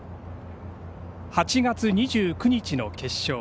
８月２９日の決勝。